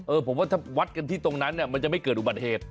ผมว่าถ้าวัดกันที่ตรงนั้นเนี่ยมันจะไม่เกิดอุบัติเหตุ